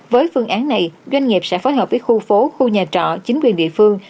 với phương án này doanh nghiệp sẽ phối hợp với khu phố khu nhà trọ chính quyền địa phương